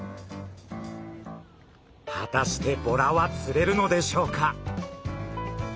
果たしてボラは釣れるのでしょうか？